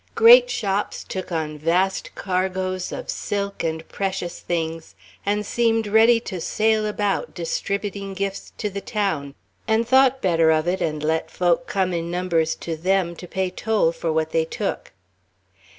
Great shops took on vast cargoes of silk and precious things and seemed ready to sail about, distributing gifts to the town, and thought better of it, and let folk come in numbers to them to pay toll for what they took.